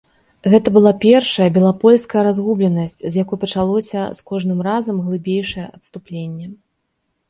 Гэта была першая белапольская разгубленасць, з якой пачалося з кожным разам глыбейшае адступленне.